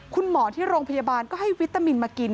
คุณหมอที่โรงพยาบาลก็ให้วิตามินมากิน